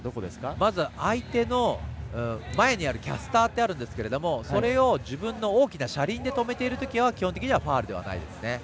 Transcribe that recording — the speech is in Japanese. まず相手の前にあるキャスターがあるんですがそれを自分の大きな車輪で止めているときは基本的にはファウルではないですね。